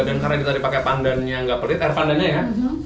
dan karena dia tadi pakai pandannya nggak pelit air pandannya ya